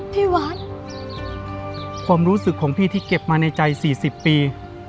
พี่วัดความรู้สึกของพี่ที่เก็บมาในใจ๔๐ปี